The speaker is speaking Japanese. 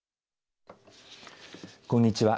こんにちは。